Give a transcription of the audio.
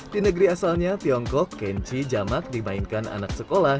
di negeri asalnya tiongkok kenchi jamak dimainkan anak sekolah